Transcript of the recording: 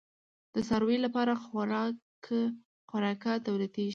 د څارویو لپاره خوراکه تولیدیږي؟